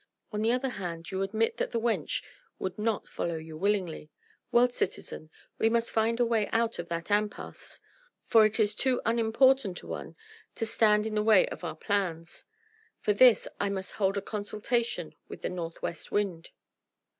On the other hand you admit that the wench would not follow you willingly Well, citizen, we must find a way out of that impasse, for it is too unimportant an one to stand in the way of our plans: for this I must hold a consultation with the North West wind."